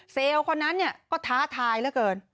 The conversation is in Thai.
เซลล์คนนั้นก็ท้าทายแล้วเกิน